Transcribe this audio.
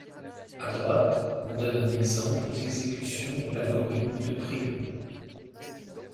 À droite, on donne un exemple d'exécution de l'algorithme de Prim.